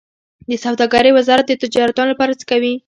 د سوداګرۍ وزارت د تجارانو لپاره څه کوي؟